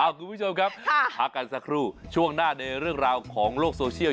คุณผู้ชมครับพักกันสักครู่ช่วงหน้าในเรื่องราวของโลกโซเชียล